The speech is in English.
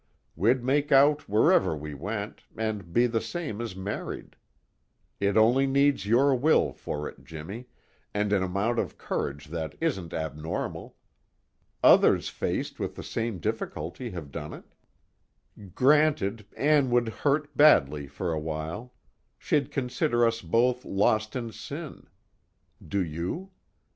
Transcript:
We'd make out wherever we went, and be the same as married. It only needs your will for it, Jimmy, and an amount of courage that isn't abnormal. Others faced with the same difficulty have done it. "Granted, Ann would be hurt badly, for a while. She'd consider us both lost in sin. (Do you?)